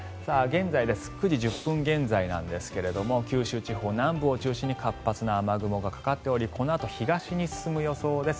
９時１０分現在なんですが九州地方、南部を中心に活発な雨雲がかかっておりこのあと東に進む予想です。